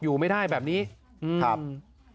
อยู่ไม่ได้แบบนี้ครับ